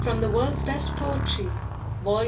The WorldsVest Poetry Vol.!